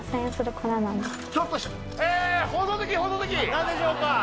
なんでしょうか？